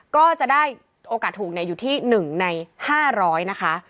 ก็จะได้โอกาสถูกอยู่ที่๑ใน๕๐๐นะคะ